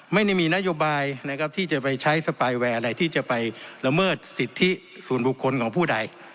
ไม่ได้มีนโยบายนะครับที่จะไปใช้สปายแวร์อะไรที่จะไปละเมิดสิทธิส่วนบุคคลของผู้ใด